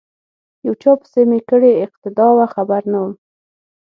یو چا پسی می کړې اقتدا وه خبر نه وم